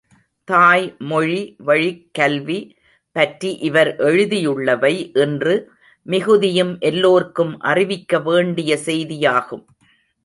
தாய்மொழி வழிக்கல்வி பற்றி இவர் எழுதியுள்ளவை இன்று, மிகுதியும் எல்லோர்க்கும் அறிவிக்க வேண்டிய செய்தியாகும்.